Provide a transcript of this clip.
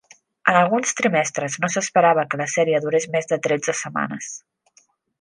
En alguns trimestres, no s'esperava que la sèrie durés més de tretze setmanes.